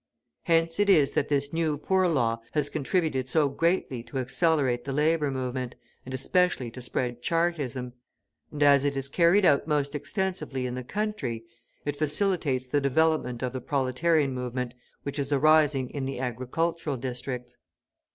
Hence it is that this new Poor Law has contributed so greatly to accelerate the labour movement, and especially to spread Chartism; and, as it is carried out most extensively in the country, it facilitates the development of the proletarian movement which is arising in the agricultural districts.